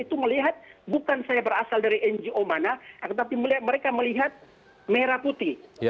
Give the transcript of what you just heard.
itu melihat bukan saya berasal dari ngo mana tapi mereka melihat merah putih